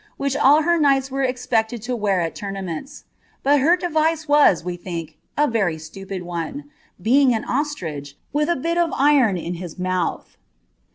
211 wbith sll herknighls weie especli^d lo wear at tournamenU; but her device was, vre liiink, a very stupid one, being an ostrich, wilh a bit of iroa in hit moulh.'